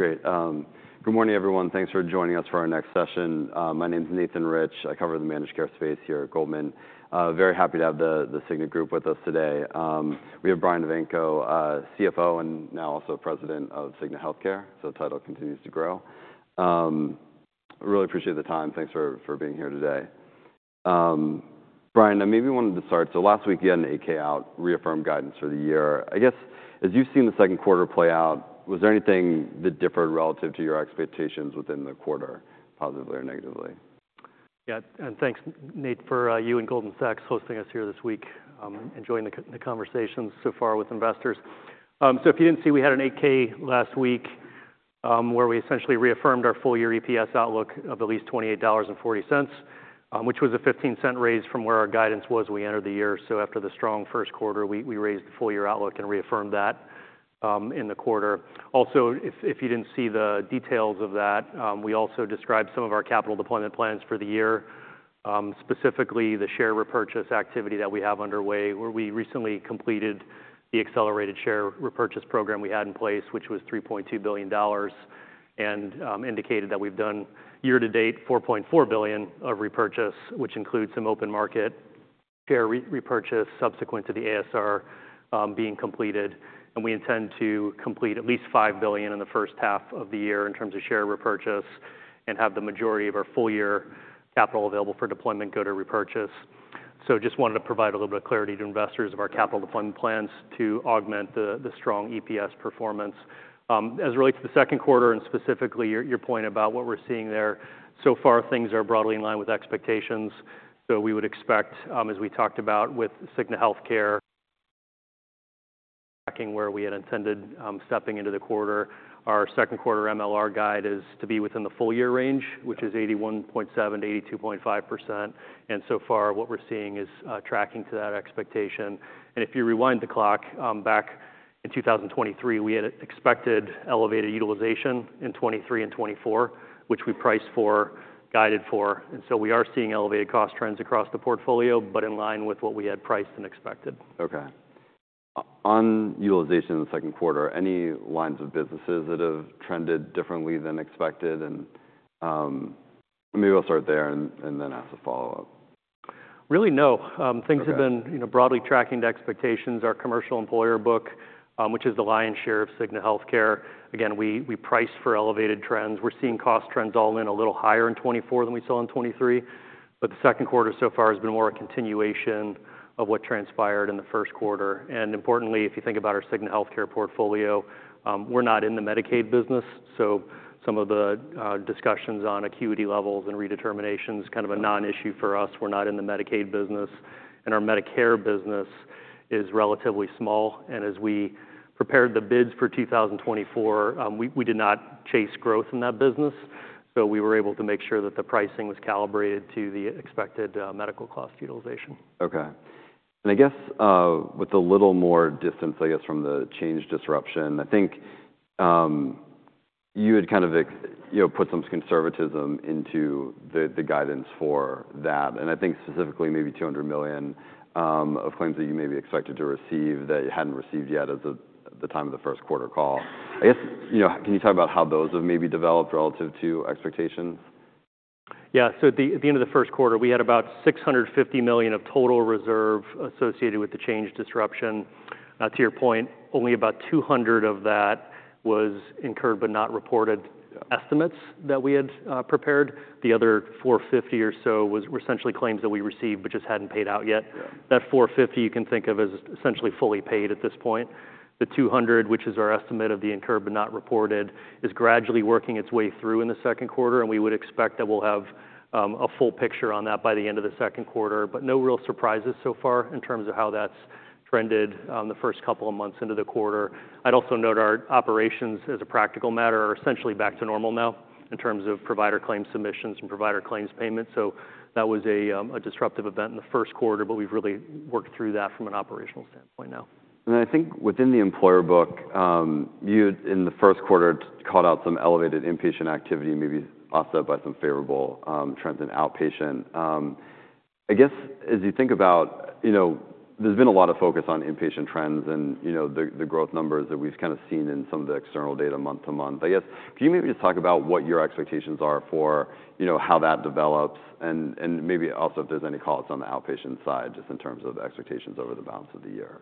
Great. Good morning, everyone. Thanks for joining us for our next session. My name is Nathan Rich. I cover the managed care space here at Goldman. Very happy to have the Cigna Group with us today. We have Brian Evanko, CFO, and now also President of Cigna Healthcare, so the title continues to grow. Really appreciate the time. Thanks for being here today. Brian, I maybe wanted to start. So last week, you had an 8-K out, reaffirmed guidance for the year. I guess, as you've seen the second quarter play out, was there anything that differed relative to your expectations within the quarter, positively or negatively? Yeah, and thanks, Nate, for you and Goldman Sachs hosting us here this week. Enjoying the conversations so far with investors. So if you didn't see, we had an 8-K last week, where we essentially reaffirmed our full-year EPS outlook of at least $28.40, which was a $0.15 raise from where our guidance was we entered the year. So after the strong first quarter, we, we raised the full-year outlook and reaffirmed that, in the quarter. Also, if you didn't see the details of that, we also described some of our capital deployment plans for the year, specifically the share repurchase activity that we have underway, where we recently completed the accelerated share repurchase program we had in place, which was $3.2 billion, and indicated that we've done year to date $4.4 billion of repurchase, which includes some open market share repurchase subsequent to the ASR being completed. And we intend to complete at least $5 billion in the first half of the year in terms of share repurchase, and have the majority of our full year capital available for deployment go to repurchase. So just wanted to provide a little bit of clarity to investors of our capital deployment plans to augment the strong EPS performance. As it relates to the second quarter and specifically your, your point about what we're seeing there, so far, things are broadly in line with expectations. So we would expect, as we talked about with Cigna Healthcare, tracking where we had intended, stepping into the quarter. Our second quarter MLR guide is to be within the full year range, which is 81.7%-82.5%, and so far, what we're seeing is, tracking to that expectation. And if you rewind the clock, back in 2023, we had expected elevated utilization in 2023 and 2024, which we priced for, guided for. And so we are seeing elevated cost trends across the portfolio, but in line with what we had priced and expected. Okay. On utilization in the second quarter, any lines of business that have trended differently than expected? And, maybe I'll start there and then ask a follow-up. Really, no. Okay. Things have been, you know, broadly tracking to expectations. Our commercial employer book, which is the lion's share of Cigna Healthcare, again, we, we priced for elevated trends. We're seeing cost trends all in a little higher in 2024 than we saw in 2023, but the second quarter so far has been more a continuation of what transpired in the first quarter. And importantly, if you think about our Cigna Healthcare portfolio, we're not in the Medicaid business, so some of the discussions on acuity levels and redetermination is kind of a non-issue for us. We're not in the Medicaid business, and our Medicare business is relatively small, and as we prepared the bids for 2024, we did not chase growth in that business, so we were able to make sure that the pricing was calibrated to the expected medical cost utilization. Okay. And I guess, with a little more distance, I guess, from the Change disruption, I think, you had kind of you know, put some conservatism into the, the guidance for that, and I think specifically maybe $200 million, of claims that you maybe expected to receive that you hadn't received yet at the, the time of the first quarter call. I guess, you know, can you talk about how those have maybe developed relative to expectations? Yeah. So at the end of the first quarter, we had about $650 million of total reserve associated with the Change Healthcare disruption. To your point, only about $200 million of that was incurred but not reported estimates that we had prepared. The other $450 million or so was essentially claims that we received, but just hadn't paid out yet. Yeah. That $450 million you can think of as essentially fully paid at this point. The $200 million, which is our estimate of the incurred but not reported, is gradually working its way through in the second quarter, and we would expect that we'll have a full picture on that by the end of the second quarter. But no real surprises so far in terms of how that's trended on the first couple of months into the quarter. I'd also note our operations, as a practical matter, are essentially back to normal now in terms of provider claims submissions and provider claims payments. So that was a disruptive event in the first quarter, but we've really worked through that from an operational standpoint now. I think within the employer book, you had, in the first quarter, called out some elevated inpatient activity, maybe offset by some favorable trends in outpatient. I guess, as you think about, you know, there's been a lot of focus on inpatient trends and, you know, the growth numbers that we've kind of seen in some of the external data month-to-month. I guess, can you maybe just talk about what your expectations are for, you know, how that develops, and maybe also if there's any calls on the outpatient side, just in terms of expectations over the balance of the year?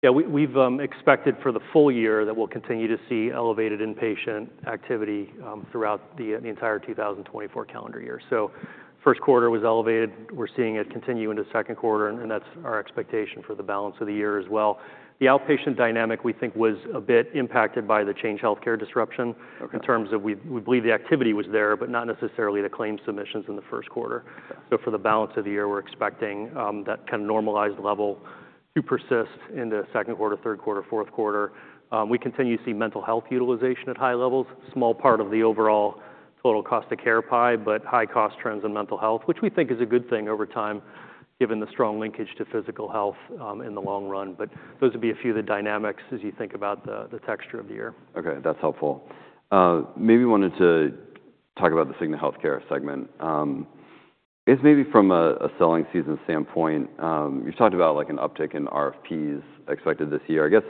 Yeah, we've expected for the full year that we'll continue to see elevated inpatient activity throughout the entire 2024 calendar year. So first quarter was elevated. We're seeing it continue into second quarter, and that's our expectation for the balance of the year as well. The outpatient dynamic, we think, was a bit impacted by the Change Healthcare disruption. Okay in terms of we believe the activity was there, but not necessarily the claims submissions in the first quarter. Okay. So for the balance of the year, we're expecting that kind of normalized level to persist into second quarter, third quarter, fourth quarter. We continue to see mental health utilization at high levels. Small part of the overall total cost of care pie, but high cost trends in mental health, which we think is a good thing over time, given the strong linkage to physical health, in the long run. But those would be a few of the dynamics as you think about the texture of the year. Okay, that's helpful. Maybe wanted to talk about the Cigna Healthcare segment. I guess maybe from a selling season standpoint, you talked about like an uptick in RFPs expected this year. I guess,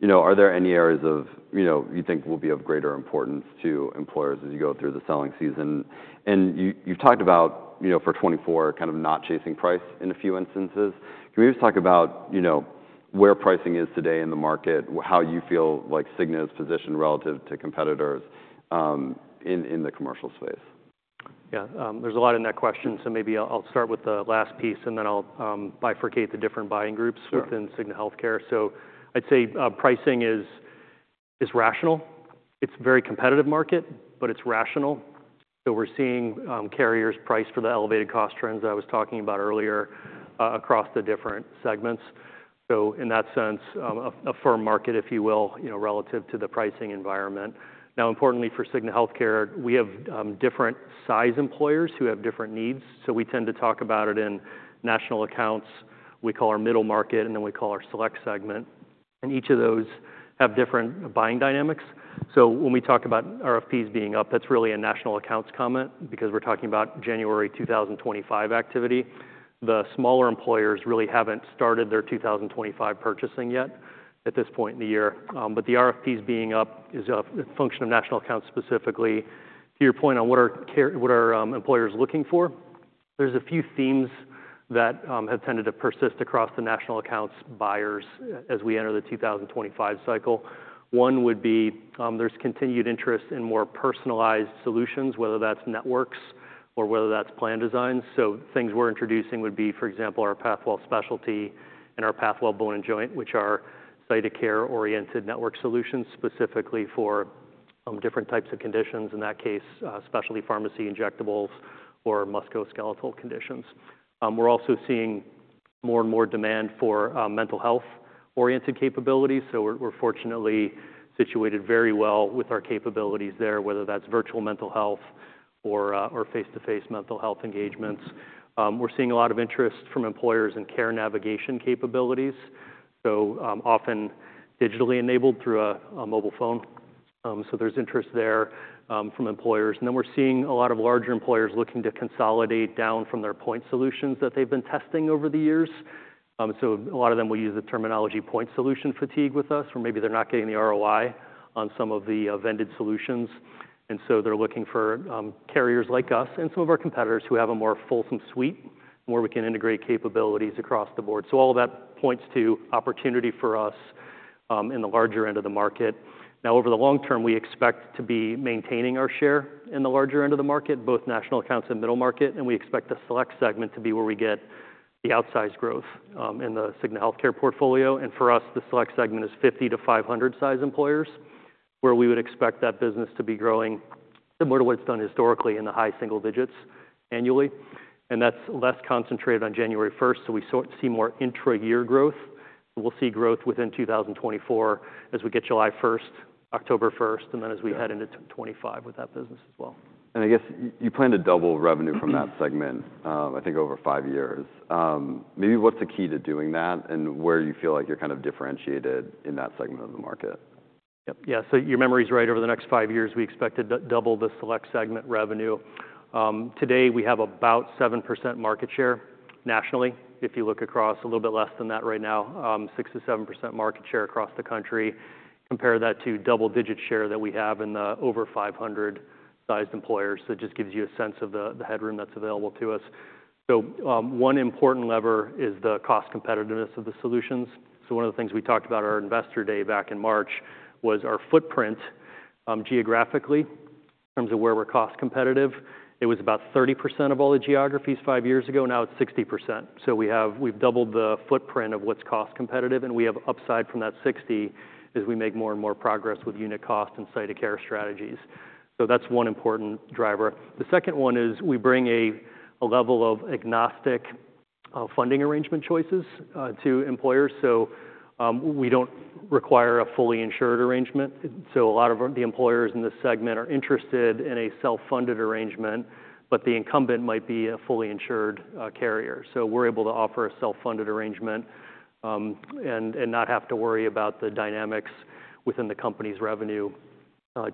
you know, are there any areas of, you know, you think will be of greater importance to employers as you go through the selling season? You've talked about, you know, for 2024, kind of not chasing price in a few instances. Can we just talk about, you know, where pricing is today in the market, how you feel like Cigna is positioned relative to competitors in the commercial space? Yeah, there's a lot in that question, so maybe I'll start with the last piece, and then I'll bifurcate the different buying groups- Sure. within Cigna Healthcare. So I'd say, pricing is rational. It's a very competitive market, but it's rational. So we're seeing, carriers price for the elevated cost trends I was talking about earlier, across the different segments. So in that sense, a firm market, if you will, you know, relative to the pricing environment. Now, importantly for Cigna Healthcare, we have, different size employers who have different needs, so we tend to talk about it in national accounts, we call our middle market, and then we call our select segment, and each of those have different buying dynamics. So when we talk about RFPs being up, that's really a national accounts comment because we're talking about January 2025 activity. The smaller employers really haven't started their 2025 purchasing yet at this point in the year, but the RFPs being up is a function of national accounts specifically. To your point on what are employers looking for, there's a few themes that have tended to persist across the national accounts buyers as we enter the 2025 cycle. One would be, there's continued interest in more personalized solutions, whether that's networks or whether that's plan designs. So things we're introducing would be, for example, our Pathwell Specialty and our Pathwell Bone & Joint, which are site of care-oriented network solutions, specifically for different types of conditions, in that case, specialty pharmacy injectables or musculoskeletal conditions. We're also seeing more and more demand for mental health-oriented capabilities, so we're, we're fortunately situated very well with our capabilities there, whether that's virtual mental health or or face-to-face mental health engagements. We're seeing a lot of interest from employers in care navigation capabilities, so often digitally enabled through a, a mobile phone. So there's interest there from employers. And then we're seeing a lot of larger employers looking to consolidate down from their point solutions that they've been testing over the years. So a lot of them will use the terminology point solution fatigue with us, or maybe they're not getting the ROI on some of the vended solutions, and so they're looking for carriers like us and some of our competitors who have a more fulsome suite, where we can integrate capabilities across the board. So all of that points to opportunity for us, in the larger end of the market. Now, over the long term, we expect to be maintaining our share in the larger end of the market, both national accounts and middle market, and we expect the select segment to be where we get the outsized growth, in the Cigna Healthcare portfolio. And for us, the select segment is 50-500 size employers, where we would expect that business to be growing similar to what it's done historically in the high single digits annually. And that's less concentrated on January 1st, so we see more intra-year growth. We'll see growth within 2024 as we get July 1st, October 1st, and then as we head into 2025 with that business as well. I guess you plan to double revenue from that segment, I think over five years. Maybe what's the key to doing that, and where you feel like you're kind of differentiated in that segment of the market? Yep. Yeah, so your memory's right. Over the next five years, we expect to double the select segment revenue. Today, we have about 7% market share nationally. If you look across, a little bit less than that right now, 6%-7% market share across the country. Compare that to double-digit share that we have in the over 500-sized employers. So it just gives you a sense of the, the headroom that's available to us. So, one important lever is the cost competitiveness of the solutions. So one of the things we talked about at our Investor Day back in March was our footprint, geographically, in terms of where we're cost competitive. It was about 30% of all the geographies five years ago, now it's 60%. So we've doubled the footprint of what's cost competitive, and we have upside from that 60% as we make more and more progress with unit cost and site of care strategies. So that's one important driver. The second one is we bring a level of agnostic funding arrangement choices to employers, so we don't require a fully insured arrangement. So a lot of the employers in this segment are interested in a self-funded arrangement, but the incumbent might be a fully insured carrier. So we're able to offer a self-funded arrangement, and, and not have to worry about the dynamics within the company's revenue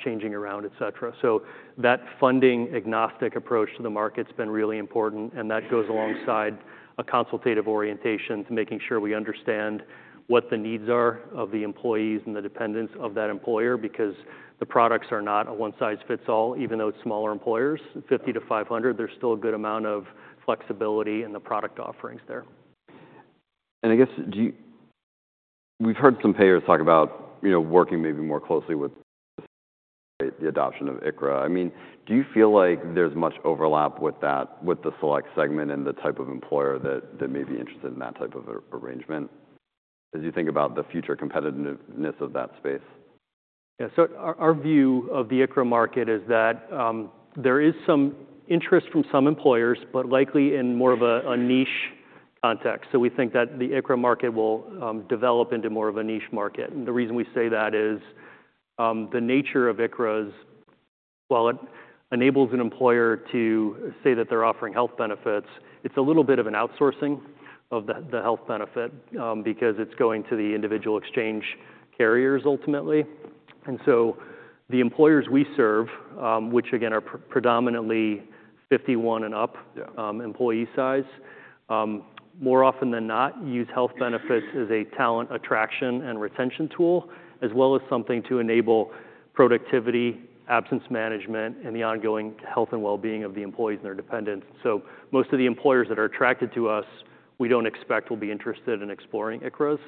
changing around, et cetera. So that funding agnostic approach to the market's been really important, and that goes alongside a consultative orientation to making sure we understand what the needs are of the employees and the dependents of that employer, because the products are not a one-size-fits-all, even though it's smaller employers, 50-500, there's still a good amount of flexibility in the product offerings there. I guess, do you—we've heard some payers talk about, you know, working maybe more closely with the adoption of ICHRA. I mean, do you feel like there's much overlap with that, with the select segment and the type of employer that may be interested in that type of arrangement, as you think about the future competitiveness of that space? Yeah. So our view of the ICHRA market is that, there is some interest from some employers, but likely in more of a niche context. So we think that the ICHRA market will develop into more of a niche market. And the reason we say that is, the nature of ICHRAs, while it enables an employer to say that they're offering health benefits, it's a little bit of an outsourcing of the health benefit, because it's going to the individual exchange carriers ultimately. And so the employers we serve, which again, are predominantly 51 and up- Yeah employee size, more often than not, use health benefits as a talent attraction and retention tool, as well as something to enable productivity, absence management, and the ongoing health and well-being of the employees and their dependents. So most of the employers that are attracted to us, we don't expect will be interested in exploring ICHRA.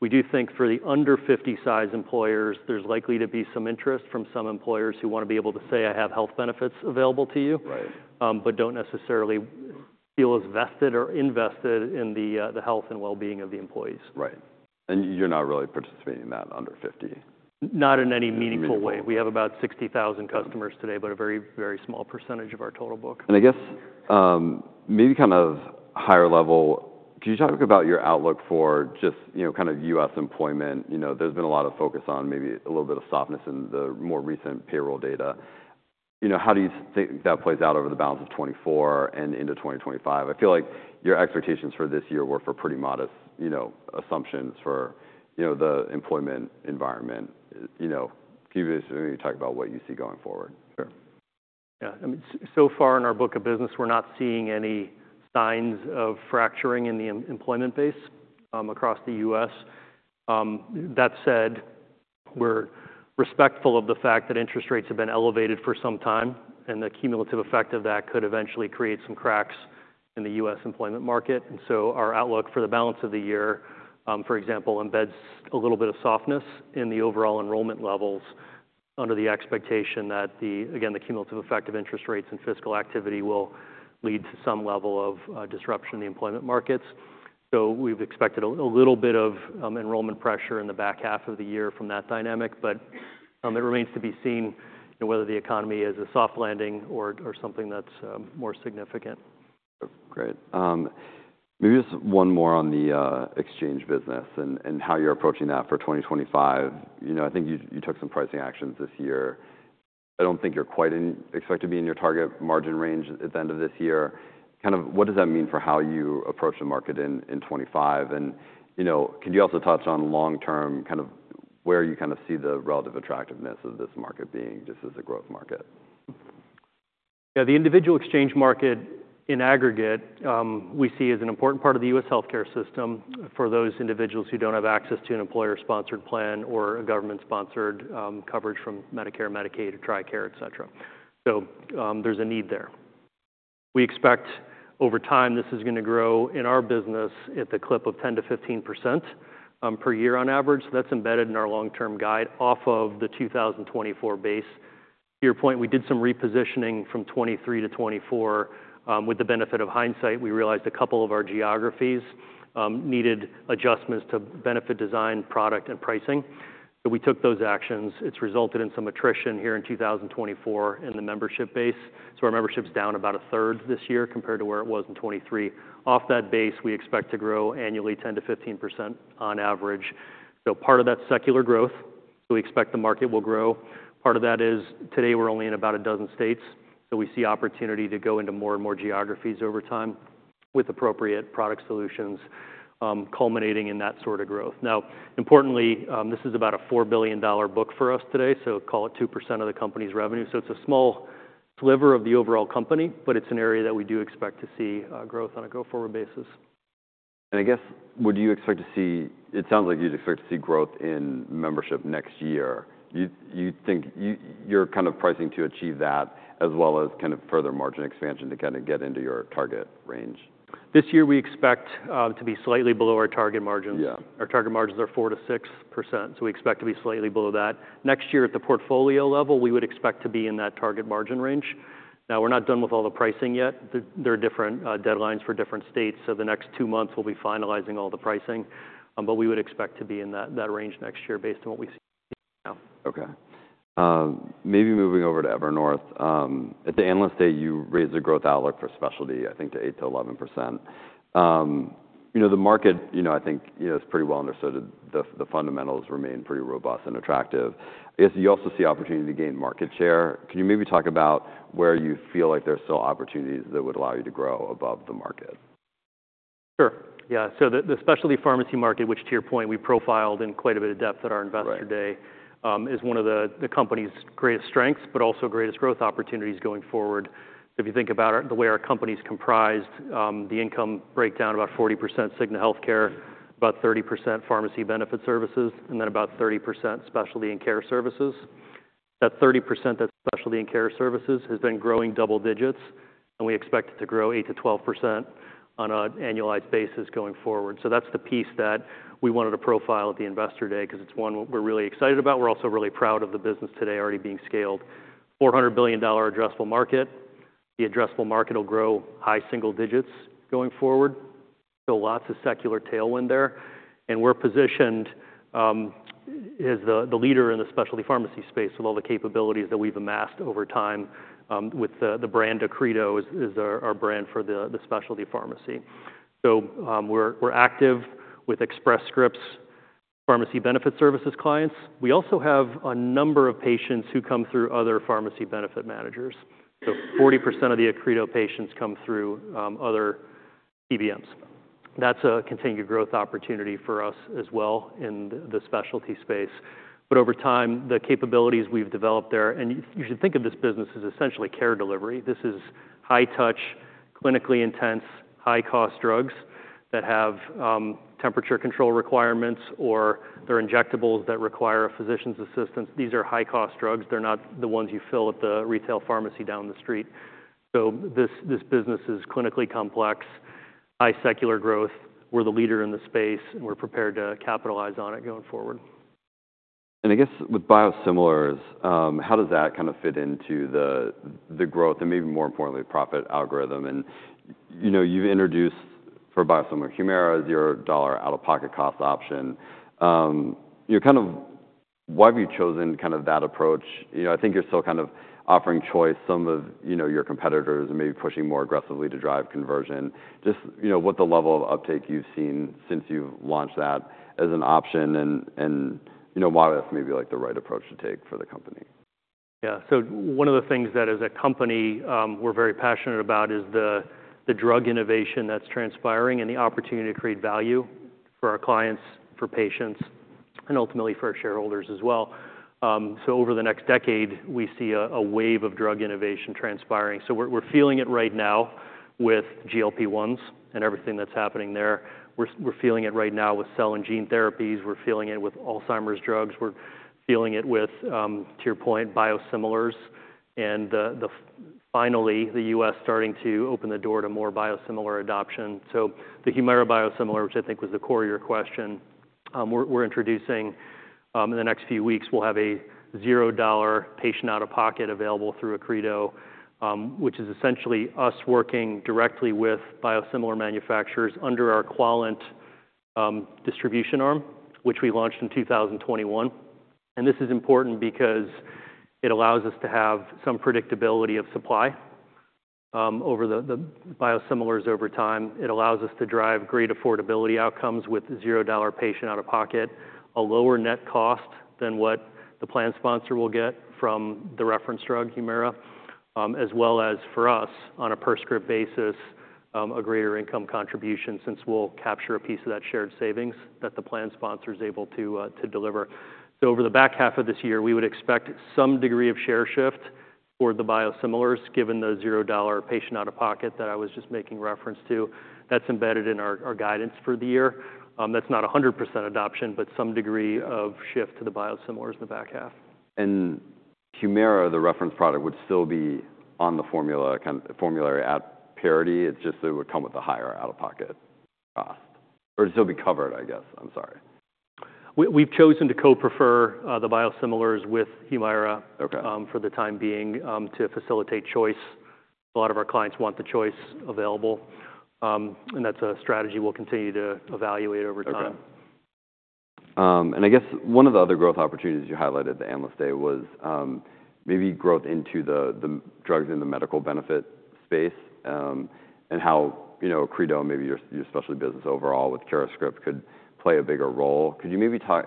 We do think for the under 50 size employers, there's likely to be some interest from some employers who want to be able to say, "I have health benefits available to you. Right. But don't necessarily feel as vested or invested in the health and well-being of the employees." Right. And you're not really participating in that under 50? Not in any meaningful way. Meaningful. We have about 60,000 customers today, but a very, very small percentage of our total book. I guess, maybe kind of higher level, can you talk about your outlook for just, you know, kind of U.S. employment? You know, there's been a lot of focus on maybe a little bit of softness in the more recent payroll data. You know, how do you think that plays out over the balance of 2024 and into 2025? I feel like your expectations for this year were for pretty modest, you know, assumptions for, you know, the employment environment. You know, can you just maybe talk about what you see going forward? Sure. Yeah. I mean, so far in our book of business, we're not seeing any signs of fracturing in the employment base, across the U.S. That said, we're respectful of the fact that interest rates have been elevated for some time, and the cumulative effect of that could eventually create some cracks in the U.S. employment market. And so our outlook for the balance of the year, for example, embeds a little bit of softness in the overall enrollment levels under the expectation that... Again, the cumulative effect of interest rates and fiscal activity will lead to some level of disruption in the employment markets. So we've expected a little bit of enrollment pressure in the back half of the year from that dynamic, but it remains to be seen whether the economy is a soft landing or something that's more significant. Great. Maybe just one more on the exchange business and how you're approaching that for 2025. You know, I think you took some pricing actions this year. I don't think you're quite in, expect to be in your target margin range at the end of this year. Kind of, what does that mean for how you approach the market in 2025? And, you know, can you also touch on long-term, kind of, where you kind of see the relative attractiveness of this market being just as a growth market? Yeah, the individual exchange market, in aggregate, we see as an important part of the U.S. healthcare system for those individuals who don't have access to an employer-sponsored plan or a government-sponsored, coverage from Medicare, Medicaid, or TRICARE, et cetera. So, there's a need there. We expect, over time, this is gonna grow in our business at the clip of 10%-15%, per year on average. That's embedded in our long-term guide off of the 2024 base. To your point, we did some repositioning from 2023 to 2024. With the benefit of hindsight, we realized a couple of our geographies, needed adjustments to benefit design, product, and pricing. So we took those actions. It's resulted in some attrition here in 2024 in the membership base. So our membership's down about a third this year compared to where it was in 2023. Off that base, we expect to grow annually 10%-15% on average. So part of that's secular growth, so we expect the market will grow. Part of that is, today, we're only in about 12 states, so we see opportunity to go into more and more geographies over time with appropriate product solutions, culminating in that sort of growth. Now, importantly, this is about a $4 billion book for us today, so call it 2% of the company's revenue. So it's a small sliver of the overall company, but it's an area that we do expect to see, growth on a go-forward basis. I guess, would you expect to see—it sounds like you'd expect to see growth in membership next year. You think you're kind of pricing to achieve that, as well as kind of further margin expansion to kind of get into your target range? This year, we expect to be slightly below our target margins. Yeah. Our target margins are 4%-6%, so we expect to be slightly below that. Next year, at the portfolio level, we would expect to be in that target margin range. Now, we're not done with all the pricing yet. There are different deadlines for different states, so the next two months, we'll be finalizing all the pricing, but we would expect to be in that range next year based on what we see now. Okay. Maybe moving over to Evernorth. At the Analyst Day, you raised the growth outlook for specialty, I think, to 8%-11%. You know, the market, you know, I think, you know, is pretty well understood. The fundamentals remain pretty robust and attractive. I guess you also see opportunity to gain market share. Can you maybe talk about where you feel like there's still opportunities that would allow you to grow above the market? Sure. Yeah, so the specialty pharmacy market, which, to your point, we profiled in quite a bit of depth at our Investor Day- Right is one of the company's greatest strengths, but also greatest growth opportunities going forward. If you think about the way our company's comprised, the income breakdown, about 40% Cigna Healthcare, about 30% Pharmacy Benefit Services, and then about 30% Specialty and Care Services. That 30%, that Specialty and Care Services, has been growing double digits, and we expect it to grow 8%-12% on an annualized basis going forward. So that's the piece that we wanted to profile at the Investor Day, 'cause it's one we're really excited about. We're also really proud of the business today already being scaled. $400 billion addressable market. The addressable market will grow high single digits going forward, so lots of secular tailwind there, and we're positioned as the leader in the specialty pharmacy space with all the capabilities that we've amassed over time, with the brand Accredo is our brand for the specialty pharmacy. So, we're active with Express Scripts Pharmacy Benefit Services clients. We also have a number of patients who come through other pharmacy benefit managers. So 40% of the Accredo patients come through other PBMs. That's a continued growth opportunity for us as well in the specialty space. But over time, the capabilities we've developed there. You should think of this business as essentially care delivery. This is high touch, clinically intense, high-cost drugs that have temperature control requirements, or they're injectables that require a physician's assistance. These are high-cost drugs. They're not the ones you fill at the retail pharmacy down the street. So this, this business is clinically complex, high secular growth. We're the leader in the space, and we're prepared to capitalize on it going forward. I guess with biosimilars, how does that kind of fit into the growth and maybe more importantly, profit algorithm? You know, you've introduced for biosimilar HUMIRA your dollar out-of-pocket cost option. Why have you chosen kind of that approach? You know, I think you're still kind of offering choice. Some of, you know, your competitors may be pushing more aggressively to drive conversion. Just, you know, what the level of uptake you've seen since you've launched that as an option and you know, why that's maybe, like, the right approach to take for the company. Yeah. So one of the things that as a company, we're very passionate about is the drug innovation that's transpiring and the opportunity to create value for our clients, for patients, and ultimately for our shareholders as well. So over the next decade, we see a wave of drug innovation transpiring. So we're feeling it right now with GLP-1s and everything that's happening there. We're feeling it right now with cell and gene therapies. We're feeling it with Alzheimer's drugs. We're feeling it with, to your point, biosimilars, and finally, the U.S. starting to open the door to more biosimilar adoption. So the HUMIRA biosimilar, which I think was the core of your question, we're introducing... In the next few weeks, we'll have a $0 patient out-of-pocket available through Accredo, which is essentially us working directly with biosimilar manufacturers under our Quallent, distribution arm, which we launched in 2021. This is important because it allows us to have some predictability of supply, over the biosimilars over time. It allows us to drive great affordability outcomes with $0 patient out-of-pocket, a lower net cost than what the plan sponsor will get from the reference drug, HUMIRA, as well as for us, on a per script basis, a greater income contribution, since we'll capture a piece of that shared savings that the plan sponsor is able to, to deliver. So over the back half of this year, we would expect some degree of share shift for the biosimilars, given the $0 patient out-of-pocket that I was just making reference to. That's embedded in our, our guidance for the year. That's not 100% adoption, but some degree of shift to the biosimilars in the back half. And HUMIRA, the reference product, would still be on the formulary at parity. It's just it would come with a higher out-of-pocket cost, or still be covered, I guess. I'm sorry. We've chosen to co-prefer the biosimilars with HUMIRA- Okay for the time being, to facilitate choice. A lot of our clients want the choice available, and that's a strategy we'll continue to evaluate over time. Okay. And I guess one of the other growth opportunities you highlighted at the Analyst Day was, maybe growth into the, the drugs in the medical benefit space, and how, you know, Accredo, maybe your, your specialty business overall with CuraScript could play a bigger role. Could you maybe talk...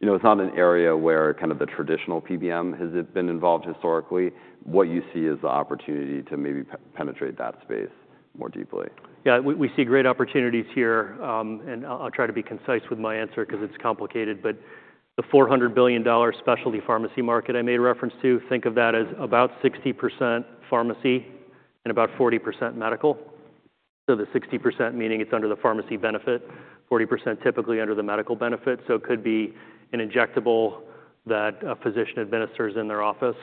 You know, it's not an area where kind of the traditional PBM has been involved historically. What you see is the opportunity to maybe penetrate that space more deeply? Yeah, we see great opportunities here, and I'll try to be concise with my answer because it's complicated, but the $400 billion specialty pharmacy market I made a reference to, think of that as about 60% pharmacy and about 40% medical. So the 60%, meaning it's under the pharmacy benefit, 40% typically under the medical benefit. So it could be an injectable that a physician administers in their office.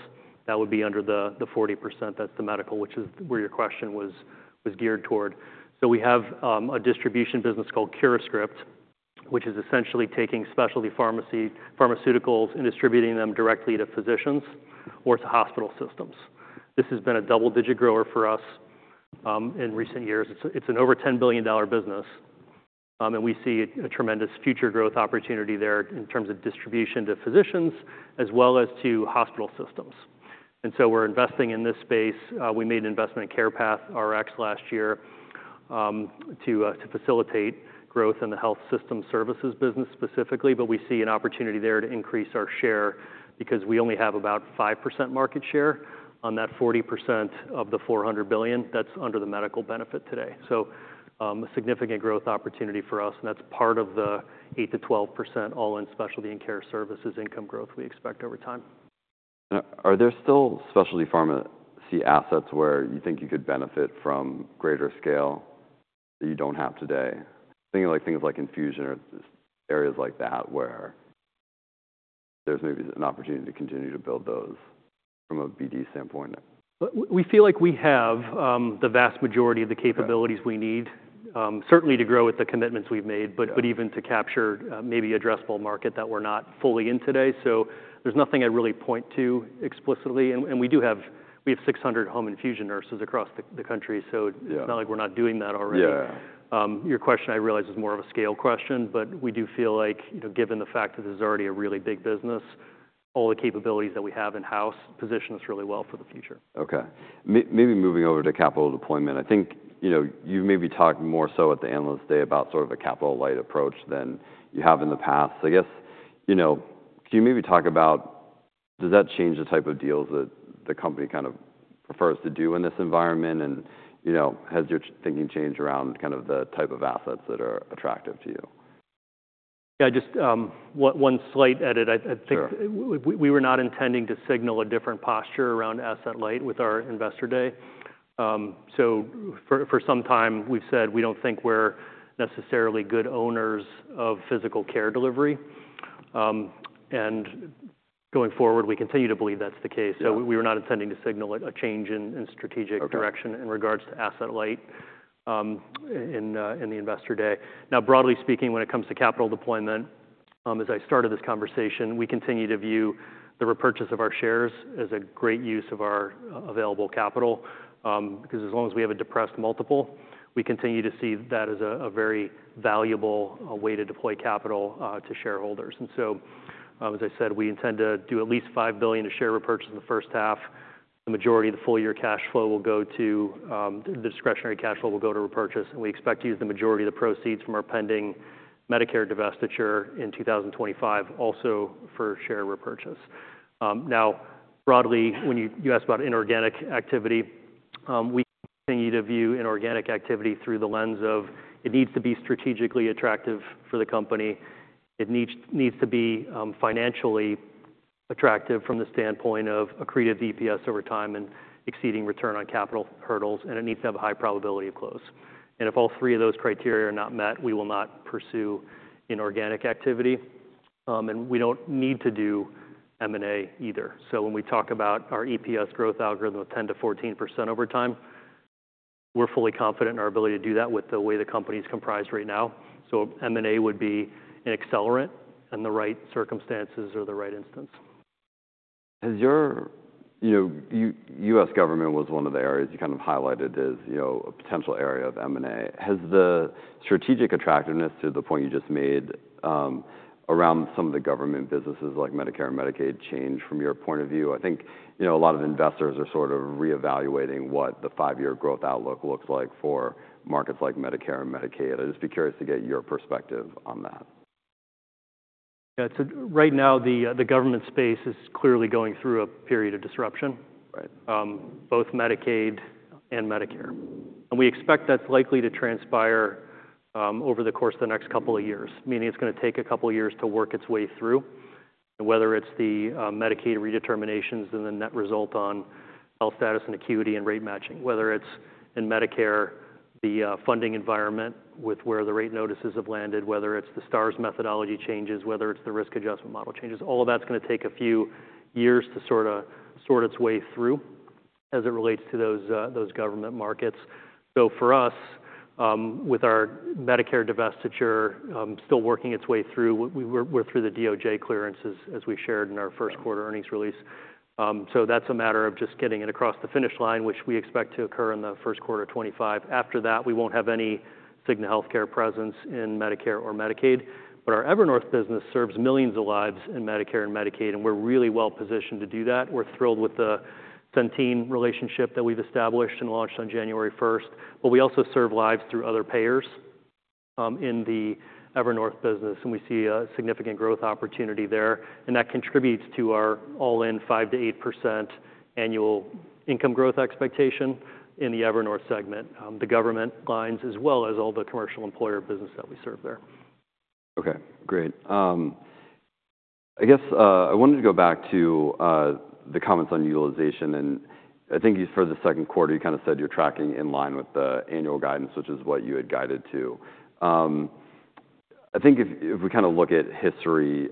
That would be under the 40%. That's the medical, which is where your question was geared toward. So we have a distribution business called CuraScript, which is essentially taking specialty pharmaceuticals and distributing them directly to physicians or to hospital systems. This has been a double-digit grower for us in recent years. It's an over $10 billion business, and we see a tremendous future growth opportunity there in terms of distribution to physicians as well as to hospital systems. And so we're investing in this space. We made an investment in CarepathRx last year, to facilitate growth in the health system services business specifically. But we see an opportunity there to increase our share because we only have about 5% market share on that 40% of the $400 billion that's under the medical benefit today. So, a significant growth opportunity for us, and that's part of the 8%-12% all in specialty and care services income growth we expect over time. Now, are there still specialty pharmacy assets where you think you could benefit from greater scale that you don't have today? Thinking of, like, things like infusion or areas like that, where there's maybe an opportunity to continue to build those from a BD standpoint. We feel like we have the vast majority of the capabilities- Right we need, certainly to grow with the commitments we've made- Yeah but even to capture, maybe addressable market that we're not fully in today. So there's nothing I'd really point to explicitly. And we do have—we have 600 home infusion nurses across the country, so- Yeah it's not like we're not doing that already. Yeah. Your question, I realize, is more of a scale question, but we do feel like, you know, given the fact that this is already a really big business, all the capabilities that we have in-house position us really well for the future. Okay. Maybe moving over to capital deployment, I think, you know, you maybe talked more so at the Analyst Day about sort of a capital light approach than you have in the past. I guess, you know, can you maybe talk about? Does that change the type of deals that the company kind of prefers to do in this environment? And, you know, has your thinking changed around kind of the type of assets that are attractive to you? Yeah, just one slight edit. I think- Sure. We were not intending to signal a different posture around asset light with our investor day. So for some time, we've said we don't think we're necessarily good owners of physical care delivery. And going forward, we continue to believe that's the case. Yeah. So we were not intending to signal a change in strategic direction- Okay in regards to asset light, in the investor day. Now, broadly speaking, when it comes to capital deployment, as I started this conversation, we continue to view the repurchase of our shares as a great use of our available capital. Because as long as we have a depressed multiple, we continue to see that as a very valuable way to deploy capital to shareholders. And so, as I said, we intend to do at least $5 billion to share repurchase in the first half. The majority of the full year cash flow will go to, the discretionary cash flow will go to repurchase, and we expect to use the majority of the proceeds from our pending Medicare divestiture in 2025, also for share repurchase. Now, broadly, when you ask about inorganic activity, we continue to view inorganic activity through the lens of it needs to be strategically attractive for the company. It needs to be financially attractive from the standpoint of accretive EPS over time and exceeding return on capital hurdles, and it needs to have a high probability of close. And if all three of those criteria are not met, we will not pursue inorganic activity, and we don't need to do M&A either. So when we talk about our EPS growth algorithm of 10%-14% over time, we're fully confident in our ability to do that with the way the company is comprised right now. So M&A would be an accelerant in the right circumstances or the right instance. You know, U.S. government was one of the areas you kind of highlighted as, you know, a potential area of M&A. Has the strategic attractiveness to the point you just made, around some of the government businesses like Medicare and Medicaid, changed from your point of view? I think, you know, a lot of investors are sort of reevaluating what the five-year growth outlook looks like for markets like Medicare and Medicaid. I'd just be curious to get your perspective on that. Yeah. So right now, the government space is clearly going through a period of disruption. Right. Both Medicaid and Medicare. We expect that's likely to transpire, over the course of the next couple of years, meaning it's gonna take a couple of years to work its way through. Whether it's the, Medicaid redeterminations and the net result on health status and acuity and rate matching, whether it's in Medicare, the, funding environment with where the rate notices have landed, whether it's the Stars methodology changes, whether it's the risk adjustment model changes, all of that's gonna take a few years to sorta sort its way through as it relates to those, those government markets. For us, with our Medicare divestiture, still working its way through, we're through the DOJ clearances, as we shared in our first quarter earnings release. So that's a matter of just getting it across the finish line, which we expect to occur in the first quarter of 2025. After that, we won't have any Cigna Healthcare presence in Medicare or Medicaid, but our Evernorth business serves millions of lives in Medicare and Medicaid, and we're really well positioned to do that. We're thrilled with the Centene relationship that we've established and launched on January first, but we also serve lives through other payers, in the Evernorth business, and we see a significant growth opportunity there, and that contributes to our all-in 5%-8% annual income growth expectation in the Evernorth segment, the government lines, as well as all the commercial employer business that we serve there. Okay, great. I guess, I wanted to go back to, the comments on utilization, and I think for the second quarter, you kind of said you're tracking in line with the annual guidance, which is what you had guided to. I think if, if we kind of look at history,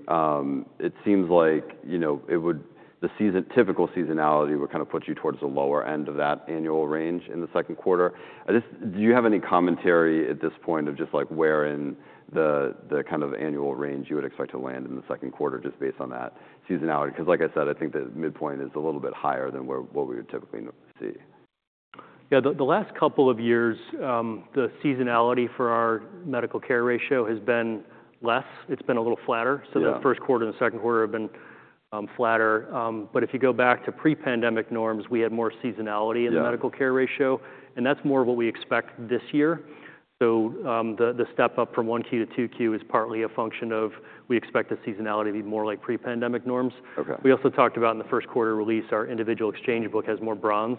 it seems like, you know, it would, typical seasonality would kind of put you towards the lower end of that annual range in the second quarter. I just, do you have any commentary at this point of just, like, where in the, the kind of annual range you would expect to land in the second quarter just based on that seasonality? Because like I said, I think the midpoint is a little bit higher than where, what we would typically see. Yeah, the last couple of years, the seasonality for our medical care ratio has been less. It's been a little flatter. Yeah. So the first quarter and the second quarter have been flatter. But if you go back to pre-pandemic norms, we had more seasonality- Yeah in the medical care ratio, and that's more of what we expect this year. So, the step up from 1Q to 2Q is partly a function of we expect the seasonality to be more like pre-pandemic norms. Okay. We also talked about in the first quarter release, our individual exchange book has more bronze,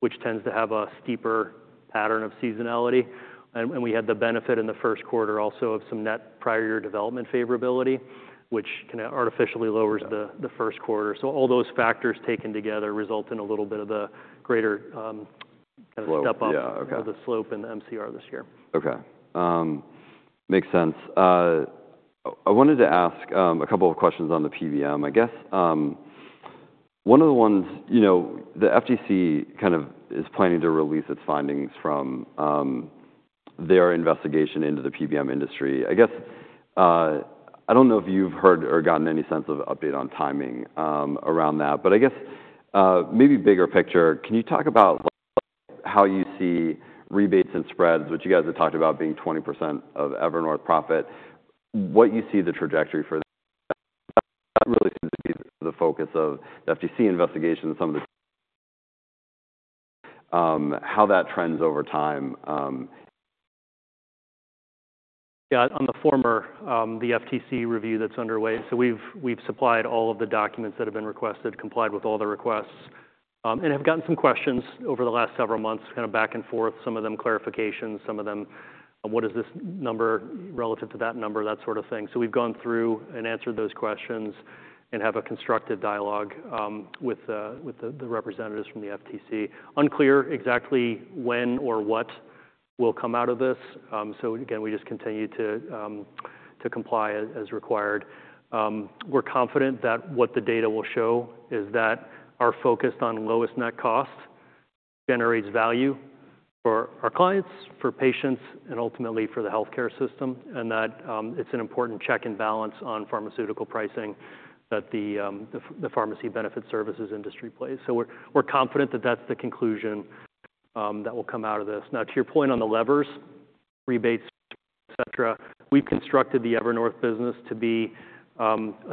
which tends to have a steeper pattern of seasonality. And, and we had the benefit in the first quarter also of some net prior year development favorability, which kinda artificially lowers- Okay the first quarter. So all those factors taken together result in a little bit of the greater, kind of step up- Yeah. Okay of the slope in the MCR this year. Okay. Makes sense. I wanted to ask a couple of questions on the PBM. I guess one of the ones... You know, the FTC kind of is planning to release its findings from their investigation into the PBM industry. I guess I don't know if you've heard or gotten any sense of update on timing around that, but I guess maybe bigger picture, can you talk about, like, how you see rebates and spreads, which you guys have talked about being 20% of Evernorth profit, what you see the trajectory for- That really seems to be the focus of the FTC investigation and some of the- How that trends over time. Yeah, on the former, the FTC review that's underway. So we've supplied all of the documents that have been requested, complied with all the requests, and have gotten some questions over the last several months, kind of back and forth, some of them clarifications, some of them, "What is this number relative to that number?" That sort of thing. So we've gone through and answered those questions and have a constructive dialogue with the representatives from the FTC. Unclear exactly when or what will come out of this. So again, we just continue to comply as required. We're confident that what the data will show is that our focus on lowest net cost generates value for our clients, for patients, and ultimately for the healthcare system, and that it's an important check and balance on pharmaceutical pricing that the pharmacy benefit services industry plays. So we're confident that that's the conclusion that will come out of this. Now, to your point on the levers, rebates, et cetera, we've constructed the Evernorth business to be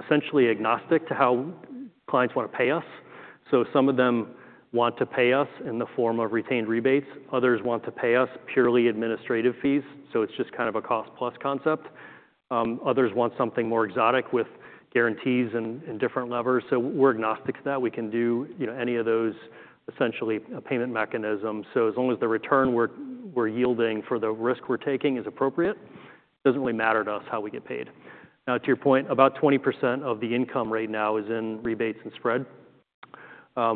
essentially agnostic to how clients wanna pay us. So some of them want to pay us in the form of retained rebates, others want to pay us purely administrative fees, so it's just kind of a cost-plus concept. Others want something more exotic with guarantees and different levers. So we're agnostic to that. We can do, you know, any of those, essentially, payment mechanisms. So as long as the return we're, we're yielding for the risk we're taking is appropriate, it doesn't really matter to us how we get paid. Now, to your point, about 20% of the income right now is in rebates and spread.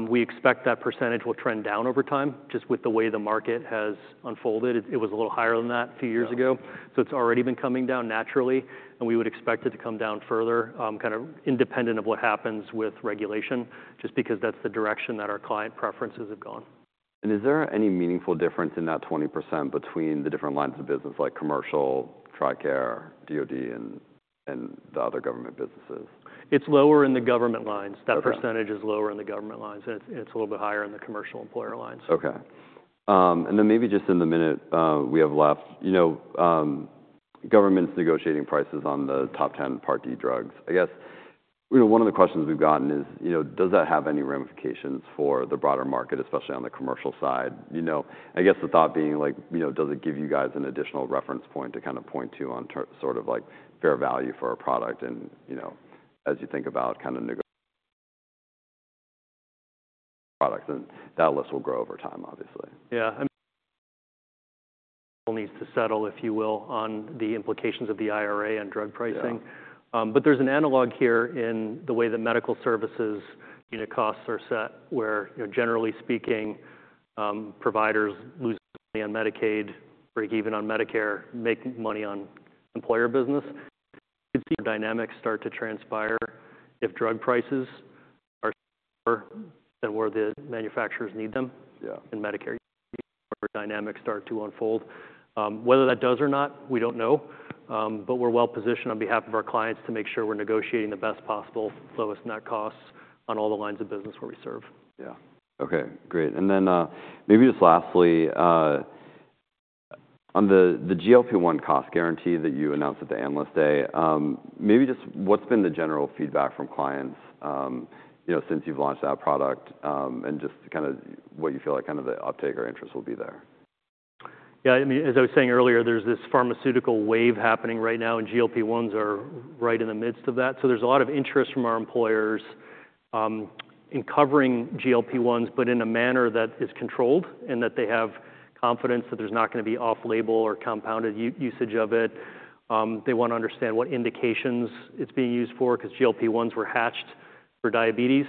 We expect that percentage will trend down over time, just with the way the market has unfolded. It, it was a little higher than that a few years ago. So it's already been coming down naturally, and we would expect it to come down further, kind of independent of what happens with regulation, just because that's the direction that our client preferences have gone. Is there any meaningful difference in that 20% between the different lines of business, like commercial, TRICARE, DoD, and the other government businesses? It's lower in the government lines. Okay. That percentage is lower in the government lines, and it's a little bit higher in the commercial employer lines. Okay. Then maybe just in the minute we have left, you know, government's negotiating prices on the top 10 Part D drugs. I guess, you know, one of the questions we've gotten is, you know, does that have any ramifications for the broader market, especially on the commercial side? You know, I guess the thought being, like, you know, does it give you guys an additional reference point to kind of point to on sort of like fair value for a product and, you know, as you think about kind of products, and that list will grow over time, obviously. Yeah, I mean... needs to settle, if you will, on the implications of the IRA and drug pricing. Yeah. But there's an analog here in the way that medical services, you know, costs are set, where, you know, generally speaking, providers lose money on Medicaid, break even on Medicare, make money on employer business. You see the dynamics start to transpire if drug prices are lower than where the manufacturers need them- Yeah - in Medicare, dynamics start to unfold. Whether that does or not, we don't know, but we're well positioned on behalf of our clients to make sure we're negotiating the best possible lowest net costs on all the lines of business where we serve. Yeah. Okay, great. And then, maybe just lastly, on the GLP-1 cost guarantee that you announced at the Analyst Day, maybe just what's been the general feedback from clients, you know, since you've launched that product, and just to kind of what you feel like the uptake or interest will be there? Yeah, I mean, as I was saying earlier, there's this pharmaceutical wave happening right now, and GLP-1s are right in the midst of that. So there's a lot of interest from our employers in covering GLP-1s, but in a manner that is controlled and that they have confidence that there's not gonna be off-label or compounded usage of it. They wanna understand what indications it's being used for, 'cause GLP-1s were hatched for diabetes,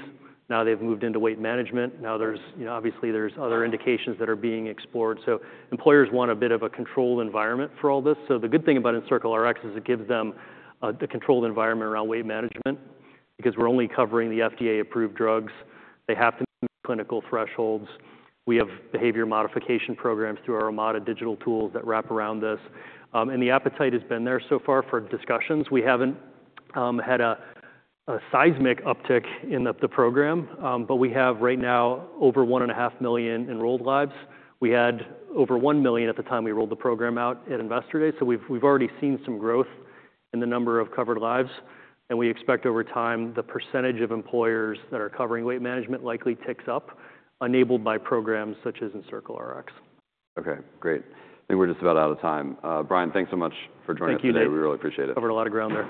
now they've moved into weight management. Now there's, you know, obviously, there's other indications that are being explored. So employers want a bit of a controlled environment for all this. So the good thing about EncircleRx is it gives them the controlled environment around weight management, because we're only covering the FDA-approved drugs. They have to meet clinical thresholds. We have behavior modification programs through our Omada digital tools that wrap around this. The appetite has been there so far for discussions. We haven't had a seismic uptick in the program, but we have right now over 1.5 million enrolled lives. We had over 1 million at the time we rolled the program out at Investor Day. So we've already seen some growth in the number of covered lives, and we expect over time, the percentage of employers that are covering weight management likely ticks up, enabled by programs such as EncircleRx. Okay, great. I think we're just about out of time. Brian, thanks so much for joining us today. Thank you, Nate. We really appreciate it. Covered a lot of ground there.